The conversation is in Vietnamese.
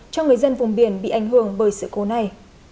cho người dân vùng biển bị ảnh hưởng bởi sự cố này